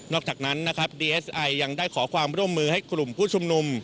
จากนั้นนะครับดีเอสไอยังได้ขอความร่วมมือให้กลุ่มผู้ชุมนุม